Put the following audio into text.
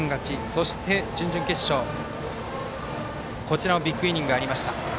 そして、準々決勝、こちらもビッグイニングがありました。